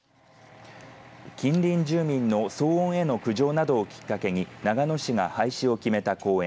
近隣住民の騒音への苦情などをきっかけに長野市が廃止を決めた公園